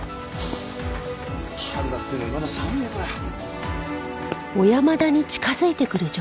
春だっていうのにまだ寒いなこりゃ。